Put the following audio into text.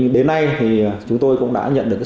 đến nay thì chúng tôi cũng đã nhận được